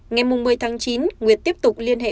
ngày một mươi tháng chín nguyệt tiếp tục liên hệ